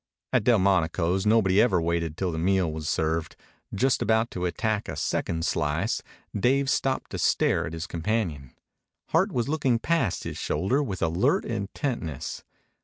At Delmonico's nobody ever waited till the meal was served. Just about to attack a second slice, Dave stopped to stare at his companion. Hart was looking past his shoulder with alert intentness.